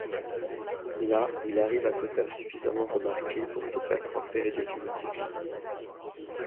Là il arrive à se faire suffisamment remarquer pour se faire transférer définitivement.